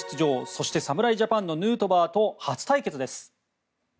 そして侍ジャパンのヌートバーと初対決です。